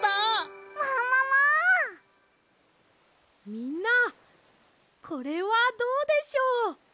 みんなこれはどうでしょう？